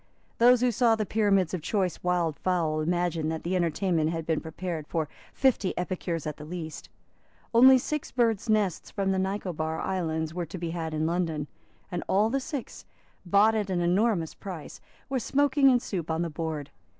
Those who saw the pyramids of choice wild fowl imagined that the entertainment had been prepared for fifty epicures at the least. Only six birds' nests from the Nicobar islands were to be had in London; and all the six, bought at an enormous price, were smoking in soup on the board.